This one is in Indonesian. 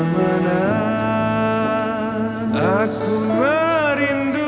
walau pasti ku terbakar jamburu